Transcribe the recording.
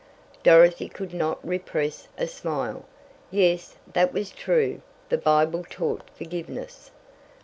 Dorothy could not repress a smile. Yes, that was true the Bible taught forgiveness.